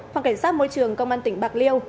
phòng cảnh sát môi trường công an tỉnh bạc liêu